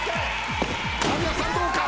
間宮さんどうか？